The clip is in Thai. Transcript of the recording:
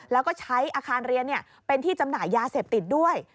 แล้วก็ใช้อาคารเรียนเป็นที่จำหน่ายยาเสพติดด้วย